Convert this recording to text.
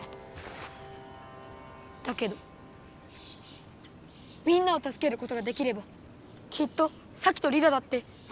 だけどみんなをたすけることができればきっとサキとリラだってぼくのこと。